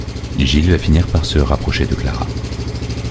Gilles va finir par se rapprocher de Clara.